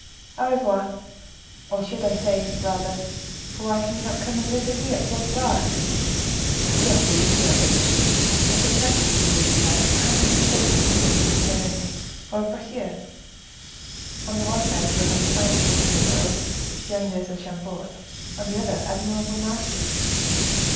"Au revoir! I should rather say, for why can you not come and live with me at Blois? You are free, you are rich, I shall purchase for you, if you like, a handsome estate in the vicinity of Cheverny or of Bracieux. On the one side you will have the finest woods in the world, which join those of Chambord; on the other, admirable marshes.